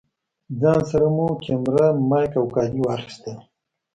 ځان سره مو کېمره، مايک او کالي واخيستل.